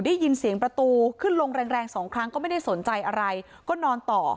ได้ยินเสียงประตูขึ้นลงแรงแรงสองครั้งก็ไม่ได้สนใจอะไรก็นอนต่อ